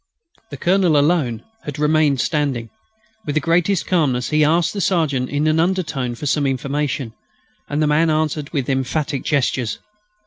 The Colonel alone had remained standing. With the greatest calmness he asked the sergeant in an undertone for some information; and the man answered him with emphatic gestures.